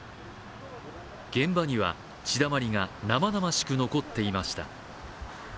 現場には血だまりが生々しく残っていました。